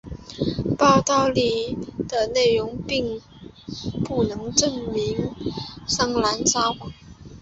报道里的内容并不能证明桑兰撒谎。